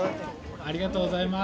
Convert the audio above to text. ありがとうございます。